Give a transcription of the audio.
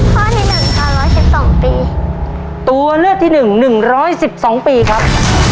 ข้อที่หนึ่งค่ะร้อยสิบสองปีตัวเลือกที่หนึ่งหนึ่งร้อยสิบสองปีครับ